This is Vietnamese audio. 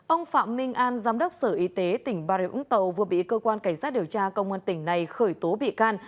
ông phạm minh an giám đốc sở y tế tỉnh bà rịa úng tàu vừa bị cơ quan cảnh sát điều tra công an tỉnh này khởi tố bị can